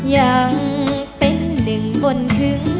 ยังเป็นหนึ่งบนคืน